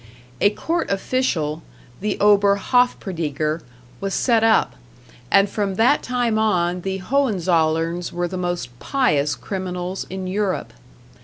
A court official the Oberhofprediger was set up, and from that time on the Hohenzollerns were the most pious criminals in Europe.